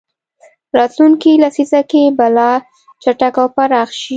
راتلونکې لسیزه کې به لا چټک او پراخ شي.